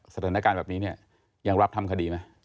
สถานการณ์แบบนี้เนี่ยยังรับทำคดีไหม